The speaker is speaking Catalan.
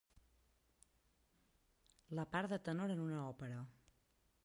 La part de tenor en una òpera.